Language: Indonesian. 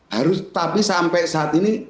harus tapi sampai saat ini